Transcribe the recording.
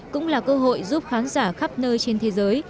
cũng là cơ hội giúp khán giả khắp nơi trên thế giới